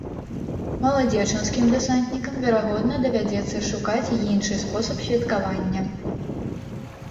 Маладзечанскім дэсантнікам, верагодна, давядзецца шукаць іншы спосаб святкавання.